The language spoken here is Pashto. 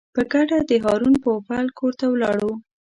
په ګډه د هارون پوپل کور ته ولاړو.